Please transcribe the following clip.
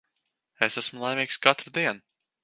Es esmu laimīgs katru dienu.